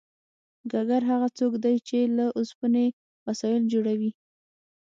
ګګر هغه څوک دی چې له اوسپنې وسایل جوړوي